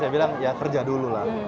saya bilang ya kerja dulu lah